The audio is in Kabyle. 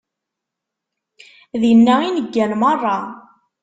Dinna i neggan meṛṛa.